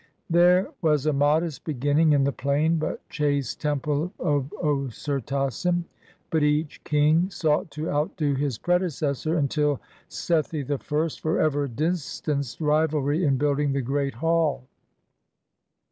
There was a modest beginning in the plain but chaste temple of Osirtasen ; but each king sought to outdo his predecessor imtil Sethi I forever distanced rivalry in building the Great Hall.